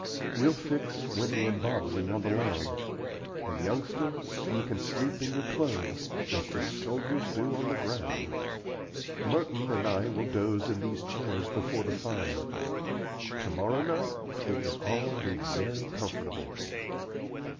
We'll fix Winnie and Bobsey on the lounge; and, youngsters, you can sleep in your clothes, just as soldiers do on the ground. Merton and I will doze in these chairs before the fire. To morrow night we can all be very comfortable."